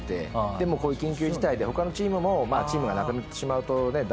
でもこういう緊急事態で他のチームもチームがなくなってしまうとダメだからっていうので。